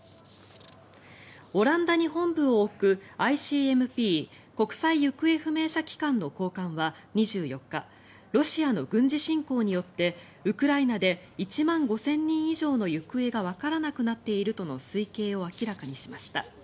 オランダに本部を置くＩＣＭＰ・国際行方不明者機関の高官は２４日ロシアの軍事侵攻によってウクライナで１万５０００人以上の行方がわからなくなっているとの推計を明らかにしました。